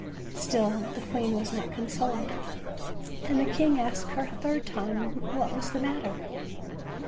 Still the queen was not consoled, and the king asked her a third time what was the matter.